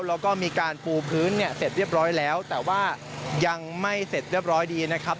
แล้วก็มีการปูพื้นเนี่ยเสร็จเรียบร้อยแล้วแต่ว่ายังไม่เสร็จเรียบร้อยดีนะครับ